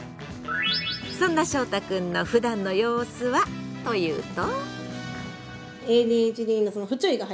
そんなしょうたくんのふだんの様子はというと。